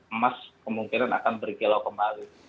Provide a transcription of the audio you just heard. emas kemungkinan akan berkilau kembali